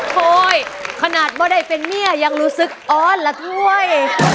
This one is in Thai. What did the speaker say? โอ๊ยขนาดไม่ได้เป็นเมียยังรู้สึกอ้อนละถ้วย